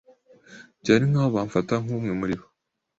Byari nkaho bamfata nkumwe muribo.